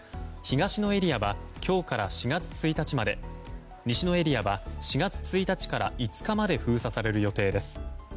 東のエリアは今日から４月１日まで西のエリアは４月１日から５日まで封鎖される予定です。